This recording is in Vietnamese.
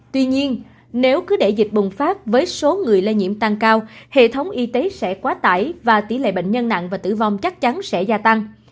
tuy nhiên nếu cứ để dịch bùng phát với số người lây nhiễm tăng cao hệ thống y tế sẽ quá tải và tỷ lệ bệnh nhân nặng và tử vong chắc chắn sẽ gia tăng